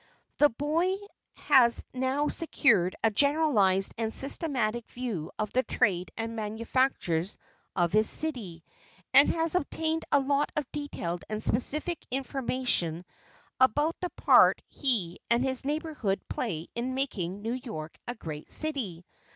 The boy has now secured a generalised and systematic view of the trade and manufactures of his city and has obtained a lot of detailed and specific information about the part he and his neighborhood play in making New York a great city.